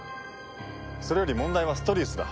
それより問題はストリウスだ。